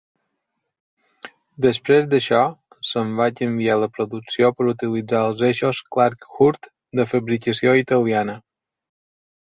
Després d'això, se'n va canviar la producció per utilitzar els eixos Clark-Hurth, de fabricació italiana.